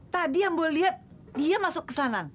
tadi ambo liat dia masuk kesanan